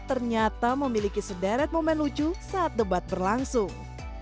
ternyata memiliki sederet momen lucu saat debat berlangsung